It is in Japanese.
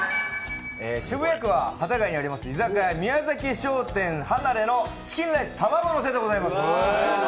渋谷区幡ヶ谷にあります居酒屋、ミヤザキ商店はなれのチキンライス卵のせでございます。